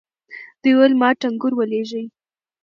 دې وويل ما ټنګور ولېږئ.